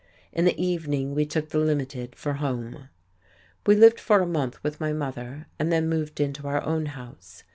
In the evening we took the "Limited" for home. We lived for a month with my mother, and then moved into our own house.